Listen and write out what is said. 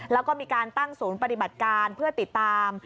แล้วก็มีการตั้งศูนย์ปฏิบัติการเพื่อติดตาม